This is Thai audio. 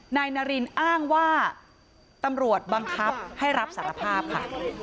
นายนารินอ้างว่าตำรวจบังคับให้รับสารภาพค่ะ